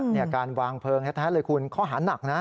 เนี่ยการวางเพลิงแท้เลยคุณข้อหานักนะ